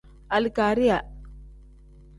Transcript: Alikariya.